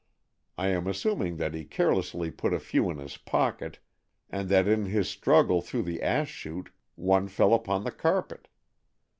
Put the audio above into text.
I am assuming that he carelessly put a few in his pocket, and that in his struggle through the ash chute one fell upon the carpet.